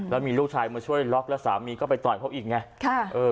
แล้วมีลูกชายมาช่วยล็อกแล้วสามีก็ไปต่อยเขาอีกไง